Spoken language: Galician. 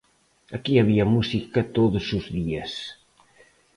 Aquí había música todos os días.